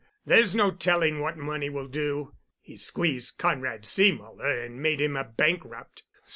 There's no telling what money will do. He squeezed Conrad Seemuller and made him a bankrupt.